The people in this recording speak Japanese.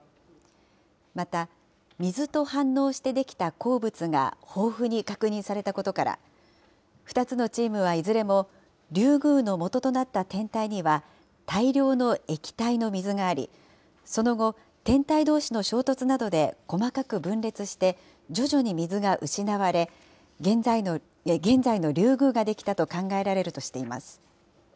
また、水と反応して出来た鉱物が豊富に確認されたことから、２つのチームはいずれも、リュウグウの元となった天体には、大量の液体の水があり、その後、天体どうしの衝突などで細かく分裂して、徐々に水が失われ、現在のリュウグウが出来たと考えられるとしています。